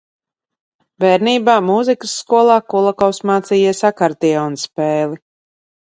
Bērnībā mūzikas skolā Kulakovs mācījies akordeona spēli.